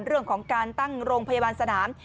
เรื่องของการตั้งโรงพยาบาลสนาม